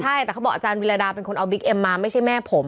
ใช่แต่เขาบอกอาจารย์วิราดาเป็นคนเอาบิ๊กเอ็มมาไม่ใช่แม่ผม